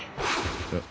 あっ。